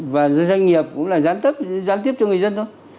và doanh nghiệp cũng là gián tiếp cho người dân thôi